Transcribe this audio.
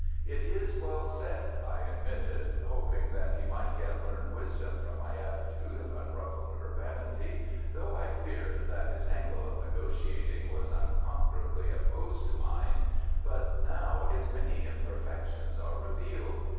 "It is well said," I admitted, hoping that he might yet learn wisdom from my attitude of unruffled urbanity, though I feared that his angle of negotiating was unconquerably opposed to mine, "but now its many imperfections are revealed.